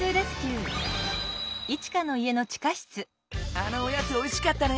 あのおやつおいしかったね。